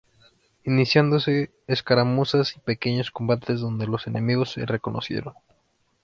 Iniciándose escaramuzas y pequeños combates donde los enemigos se reconocieron.